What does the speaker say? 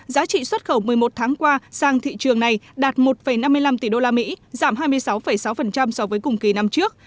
giá trị xuất khẩu một mươi một tháng qua sang thị trường này đạt một năm mươi năm tỷ usd giảm hai mươi sáu sáu so với cùng kỳ năm trước